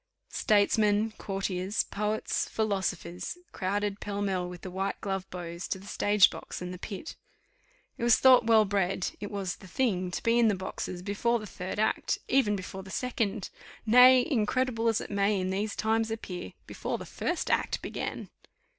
Statesmen, courtiers, poets, philosophers, crowded pell mell with the white gloved beaux to the stage box and the pit. It was thought well bred, it was the thing to be in the boxes before the third act, even before the second, nay, incredible as it may in these times appear, before the first act began.